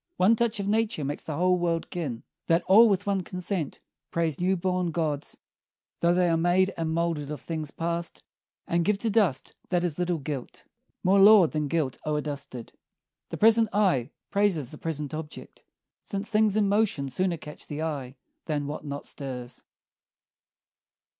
One touch of nature makes the whole world kin, That all with one consent praise new born gawds, Though they are made and moulded of things past, And give to dust that is a little gilt More laud than gilt o'er dusted. The present eye praises the present object, Since things in motion sooner catch the eye Than what not stirs.